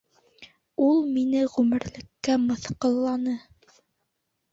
Ул мине ғүмерлеккә мыҫҡылланы.